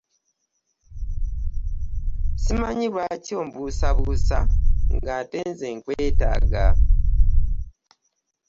Ssimanyi lwaki ombuusabuusa ng'ate nze nkwetaaga.